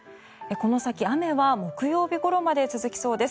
この先、雨は木曜日ごろまで続きそうです。